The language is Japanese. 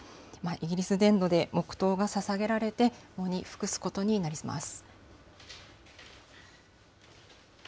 イギリス全土で黙とうがささげられて、喪に服すことになります。